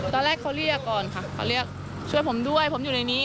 ตอนแรกเขาเรียกก่อนค่ะเขาเรียกช่วยผมด้วยผมอยู่ในนี้